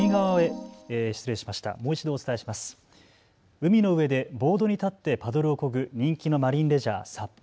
海の上でボードに立ってパドルをこぐ人気のマリンレジャー、ＳＵＰ。